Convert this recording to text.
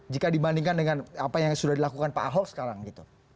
jika dibandingkan dengan apa yang sudah dilakukan pak ahok sekarang gitu